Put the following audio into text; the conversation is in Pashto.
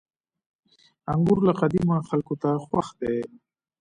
• انګور له قديمه خلکو ته خوښ دي.